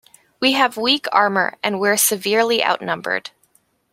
We have weak armor and we're severely outnumbered.